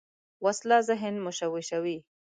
وسله ذهن مشوشوي